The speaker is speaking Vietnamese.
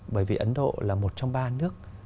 bởi vì ấn độ là một trong ba nước